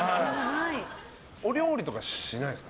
お料理とかしないですか？